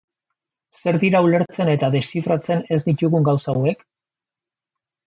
Zer dira ulertzen eta deszifratzen ez ditugun gauza hauek?